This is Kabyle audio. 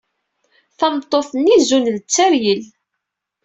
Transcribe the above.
Tameṭṭut-nni zun d Tteryel.